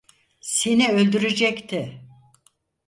Seni öldürecekti.